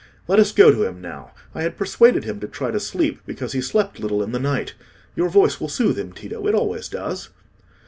Let us go to him now. I had persuaded him to try to sleep, because he slept little in the night. Your voice will soothe him, Tito: it always does."